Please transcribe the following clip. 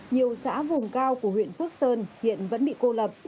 nhiều xã vùng cao của huyện phước sơn hiện vẫn bị cô lập